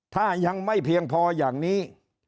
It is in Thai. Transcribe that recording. ถ้ายังไม่เพียงพออย่างนี้